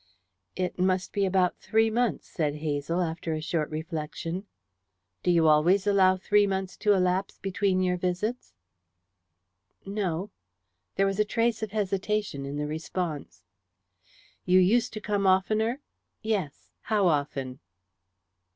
"It must be about three months," said Hazel, after a short reflection. "Do you always allow three months to elapse between your visits?" "No." There was a trace of hesitation in the response. "You used to come oftener?" "Yes." "How often?"